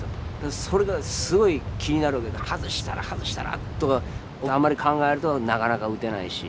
それがすごい気になるわけで外したら外したらとかあんまり考えるとなかなか撃てないし。